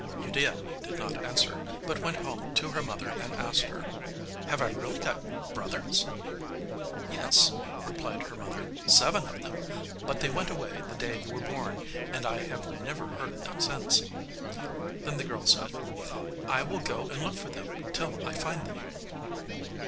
Udea did not answer, but went home to her mother and asked her, 'Have I really got brothers?' 'Yes,' replied her mother, 'seven of them. But they went away the day you were born, and I have never heard of them since.' Then the girl said, 'I will go and look for them till I find them.